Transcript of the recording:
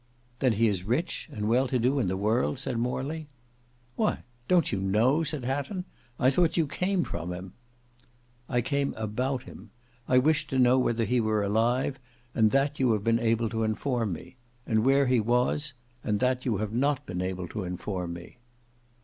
"Then he is rich, and well to do in the world? said Morley." "Why, don't you know?" said Hatton; "I thought you came from him!" "I came about him. I wished to know whether he were alive, and that you have been able to inform me: and where he was; and that you have not been able to inform me."